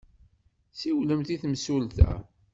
Siwlemt i temsulta.